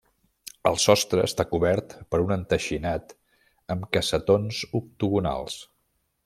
El sostre està cobert per un enteixinat amb cassetons octogonals.